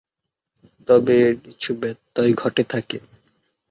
তবে এর কিছু ব্যত্যয় ঘটে থাকে।